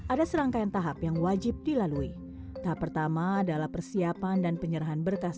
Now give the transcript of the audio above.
ada serangkaian tahap yang wajib dilalui tahap pertama adalah persiapan dan penyerahan berkas